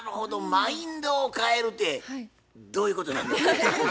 マインドを変えるてどういうことなんでしょう？